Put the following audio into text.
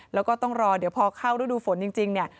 แล้วก็ต้องรอเดี๋ยวพอเข้าฤดูฝนจริงเนี่ย